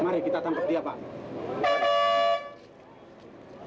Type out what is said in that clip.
mari kita tangkap dia pak